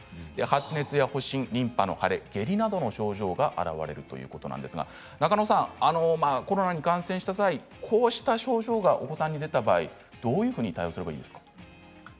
発熱や発疹、リンパの腫れや下痢などの症状が現れるということなんですが中野さん、コロナに感染した際こうした症状がお子さんに出た場合どういうふうに対応すればいいんですか？